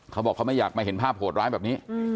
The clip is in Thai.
เขาบอกเขาไม่อยากมาเห็นภาพโหดร้ายแบบนี้